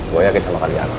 gue yakin sama kalian